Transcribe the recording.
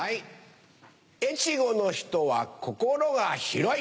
越後の人は心が広い。